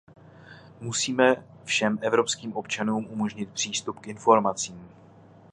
Musíme všem evropským občanům umožnit přístup k informacím.